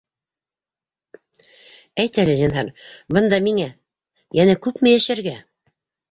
Әйт әле зинһар, бында миңә... йәнә күпме йәшәргә?